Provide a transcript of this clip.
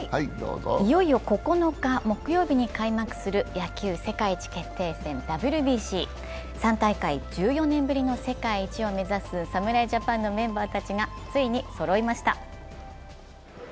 いよいよ９日木曜日に開幕する野球世界一決定戦、ＷＢＣ３大会、１４年ぶりの世界一を目指す侍ジャパンのメンバーたちがついにそろいました。